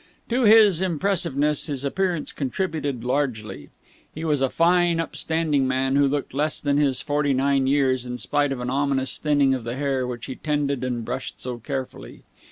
To this impressiveness his appearance contributed largely. He was a fine, upstanding man, who looked less than his forty nine years in spite of an ominous thinning of the hair which he tended and brushed so carefully.